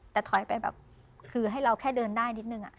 แต่ถอยไปแบบคือให้เราแค่เดินได้นิดนึง